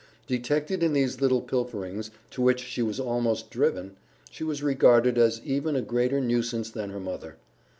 Detected in these little pilferings, to which she was almost driven, she was regarded as even a greater nuisance than her mother.